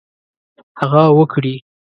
هغه وکړي.